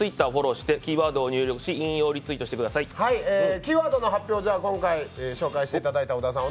キーワードの発表を紹介していただいた小田さん